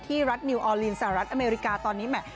รัฐนิวออลีนสหรัฐอเมริกาตอนนี้แหม่